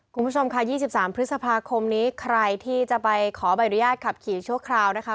คุณผู้ชมค่ะ๒๓พฤษภาคมนี้ใครที่จะไปขอใบอนุญาตขับขี่ชั่วคราวนะคะ